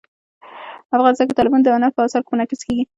افغانستان کې تالابونه د هنر په اثار کې منعکس کېږي.